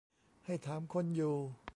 ให้ถามคนอยู่